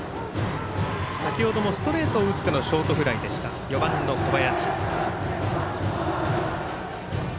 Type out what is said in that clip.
ストレートを打ってのショートフライでした４番、小林。